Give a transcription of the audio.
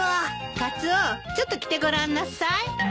カツオちょっと着てごらんなさい。